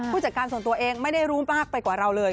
ผู้จัดการส่วนตัวเองไม่ได้รู้มากไปกว่าเราเลย